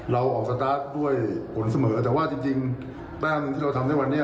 เราออกสตาร์ทด้วยผลเสมอแต่ว่าจริงแต้มที่เราทำในวันนี้